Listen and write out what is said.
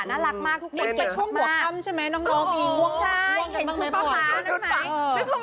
น่ารักมากทุกคนเกล็ดมากนี่เป็นช่วงบวกตำใช่ไหมน้องพีมใช่มันเป็นชุดปากหลังได้ป่าวเหมือนมีก้าวขั่ว